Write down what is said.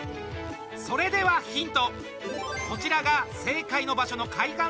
それではヒント。